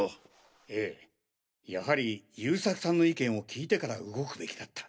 ええやはり優作さんの意見を聞いてから動くべきだった。